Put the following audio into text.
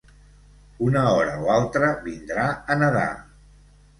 Una hora o altra vindrà a nedar.